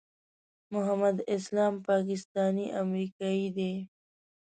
محمد اسلام پاکستانی امریکایی دی.